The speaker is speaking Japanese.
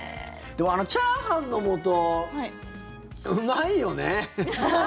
でも、あのチャーハンの素うまいよね。